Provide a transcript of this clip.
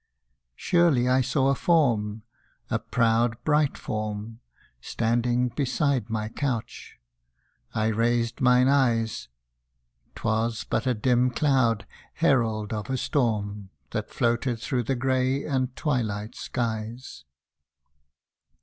Surely I saw a form, a proud bright form, Standing beside my couch ! I raised mine eyes : 'Twas but a dim cloud, herald of a storm, That floated through the grey and twilight skies.